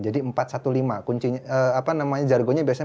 jadi empat satu lima kuncinya apa namanya jargonya biasanya empat satu lima